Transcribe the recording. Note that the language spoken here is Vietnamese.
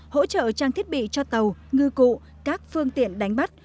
hỗ trợ trang thiết bị cho tàu ngư cụ các phương tiện đánh bắt